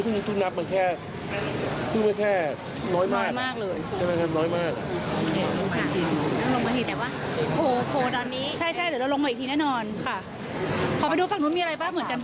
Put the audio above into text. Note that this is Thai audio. พึ่งนับมันแค่น้อยมากเลย